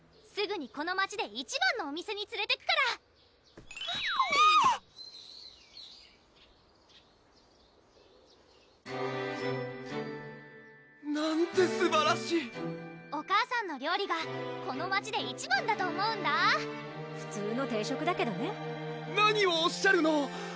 すぐにこの街で一番のお店につれてくからコメ！なんてすばらしいお母さんの料理がこの街で一番だと思うんだ普通の定食だけどね何をおっしゃるの！